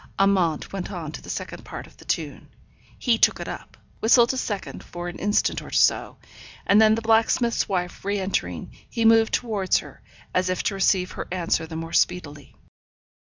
Amante went on to the second part of the tune. He took it up, whistled a second for an instant or so, and then the blacksmith's wife re entering, he moved towards her, as if to receive her answer the more speedily.